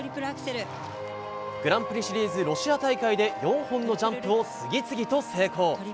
グランプリシリーズロシア大会で４本のジャンプを次々と成功。